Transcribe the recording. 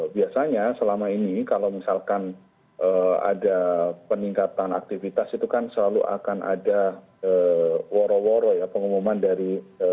biasanya selama ini kalau misalkan ada peningkatan aktivitas itu kan selalu akan ada woro woro ya pengumuman dari